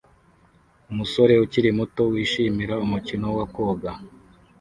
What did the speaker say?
Umusore ukiri muto wishimira umukino wa koga